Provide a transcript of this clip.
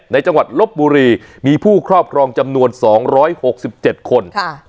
ในจังหวัดลบบุรีมีผู้ครอบครองจำนวนสองร้อยหกสิบเจ็ดคนค่ะ